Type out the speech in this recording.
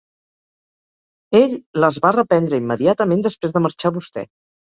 Ell les va reprendre immediatament després de marxar vostè.